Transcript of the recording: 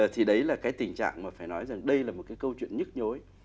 thì đấy là cái tình trạng mà phải nói rằng đây là một cái câu chuyện nhức nhối